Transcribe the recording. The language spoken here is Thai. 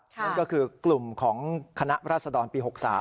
นั่นก็คือกลุ่มของคณะราษฎรปี๖๓